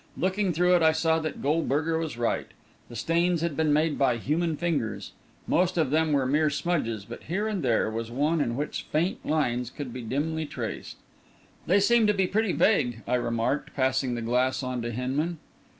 Looking through it, I saw that Goldberger was right. The stains had been made by human fingers. Most of them were mere smudges, but here and there was one on which faint lines could be dimly traced. "They seem to be pretty vague," I remarked, passing the glass on to Hinman.